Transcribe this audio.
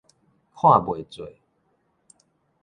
看袂做